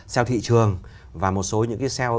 xeo thị trường và một số những xeo